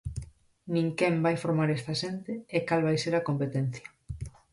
Nin quen vai formar esta xente e cal vai ser a competencia.